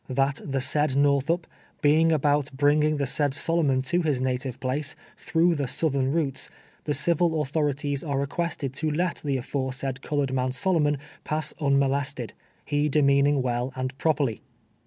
That the said Northup, being about bringing the said Solomon to las native jDlace, through the southern routes, the civil authorities ai'e requested to let the aforesaid color ed man Solomon pass unmolested, he demeaning well and properly.